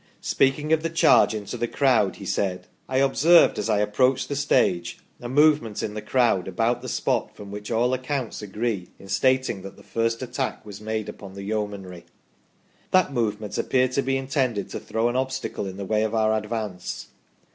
Speaking of the charge into the crowd, he said : "I observed as I approached the stage a movement in the crowd about the spot from which all accounts agree in stating that the first attack was made upon the Yeomanry. That movement appeared to be intended to throw an obstacle in the way of our advance.